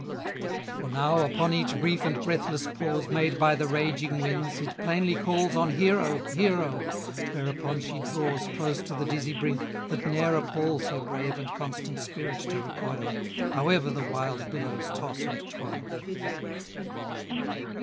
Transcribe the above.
For now, upon each brief and breathless pause, Made by the raging winds, it plainly calls On "Hero! Hero!" whereupon she draws Close to the dizzy brink, that ne'er appals Her brave and constant spirit to recoil, However the wild billows toss and toil.